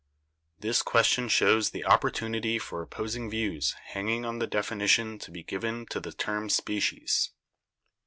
This question shows the opportunity for opposing views hinging on the definition to be given to the term species.